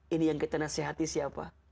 ini yang kita nasihati siapa